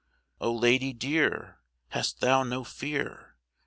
Oh, lady dear, hast thou no fear?